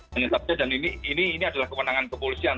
menyelesaikan dan ini adalah kewenangan kepolisian